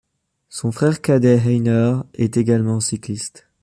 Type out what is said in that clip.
Son frère cadet Heiner est également cycliste.